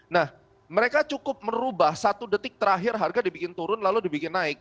nah mereka cukup merubah satu detik terakhir harga dibikin turun lalu dibikin naik